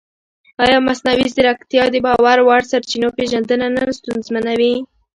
ایا مصنوعي ځیرکتیا د باور وړ سرچینو پېژندنه نه ستونزمنوي؟